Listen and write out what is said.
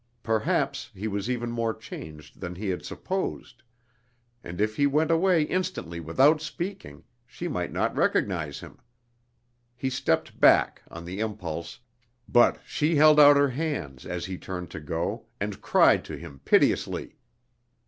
Perhaps he was even more changed than he had supposed, and if he went away instantly without speaking, she might not recognize him. He stepped back, on the impulse, but she held out her hands, as he turned to go, and cried to him piteously.